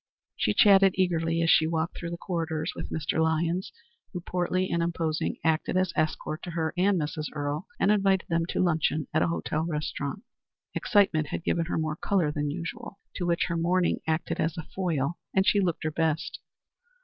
She chatted eagerly as she walked through the corridors with Mr. Lyons, who, portly and imposing, acted as escort to her and Mrs. Earle, and invited them to luncheon at a hotel restaurant. Excitement had given her more color than usual, to which her mourning acted as a foil, and she looked her best.